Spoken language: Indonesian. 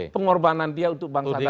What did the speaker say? pengorbanan dia untuk bangsa dan negara